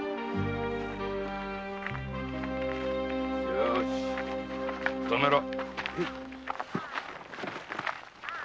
よし停めろ。